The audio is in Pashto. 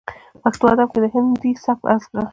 پښتو ادب کې د هندي سبک اغېزې